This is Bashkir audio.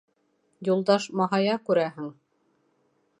Юлдаш маһая, күрәһең.